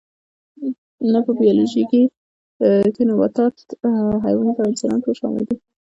نه په بیولوژي کې نباتات حیوانات او انسانان ټول شامل دي